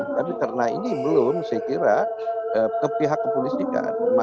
tapi karena ini belum saya kira ke pihak kepolisian